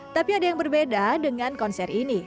tapi ada yang berbeda dengan konser ini